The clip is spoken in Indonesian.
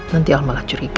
nanti al malah curiga